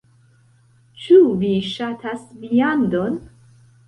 Ĉu vi ŝatas viandon?